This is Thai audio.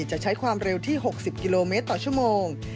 จะใช้ความเร็วที่๖๐กิโลเมตรต่อชั่วโมง